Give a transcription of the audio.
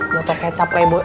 botol kecap leboi